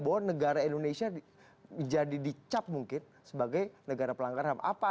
bahwa negara indonesia jadi dicap mungkin sebagai negara pelanggaran ham